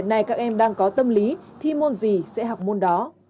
nếu không có tâm lý thi môn gì sẽ học môn đó